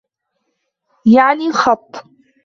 يَعْنِي الْخَطَّ